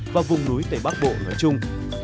và vùng núi tây bắc bộ nói chung